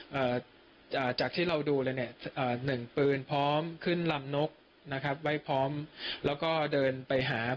จะเอาการเข้ามาจากที่เราดูเลยเนี่ย๑ปืนพร้อมขึ้นลำนกนะครับวัยพร้อมแล้วก็เดินไปหา